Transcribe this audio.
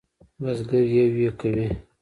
بزگر یویې کوي.